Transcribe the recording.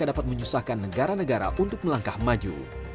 dan dapat menyusahkan negara negara untuk melangkah maju